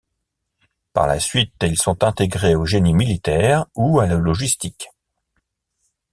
Par la suite, ils sont intégrés au génie militaire ou à la logistique.